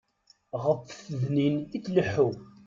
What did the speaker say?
Ɣef tfednin i tleḥḥu.